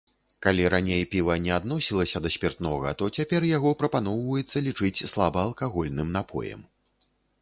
Калі раней піва не адносілася да спіртнога, то цяпер яго прапаноўваецца лічыць слабаалкагольным напоем.